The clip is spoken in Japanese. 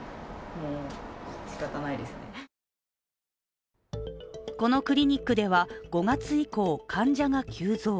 そして検査の結果このクリニックでは、５月以降、患者が急増。